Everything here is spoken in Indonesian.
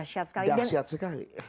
itu dahsyat sekali